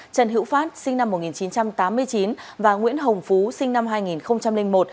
trần hữu phát sinh năm một nghìn chín trăm tám mươi chín và nguyễn hồng phú sinh năm hai nghìn một